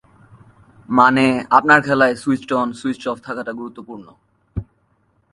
মানে আপনার খেলায় ‘সুইচড অন-সুইচড অফ’ থাকাটা গুরুত্বপূর্ণ…